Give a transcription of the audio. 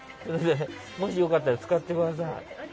もしよかったら使ってください。